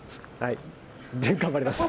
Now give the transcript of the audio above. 頑張ります。